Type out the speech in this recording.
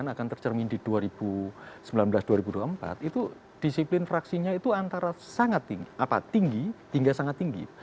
yang akan tercermin di dua ribu sembilan belas dua ribu dua puluh empat itu disiplin fraksinya itu antara sangat tinggi hingga sangat tinggi